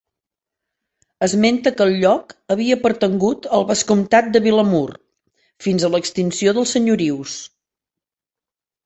Esmenta que el lloc havia pertangut al Vescomtat de Vilamur, fins a l'extinció dels senyorius.